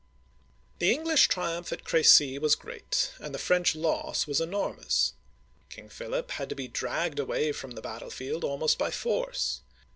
The English triumph at Cr6cy was great, and the French loss was enormous. King Philip had to be dragged away from the battlefield almost by force.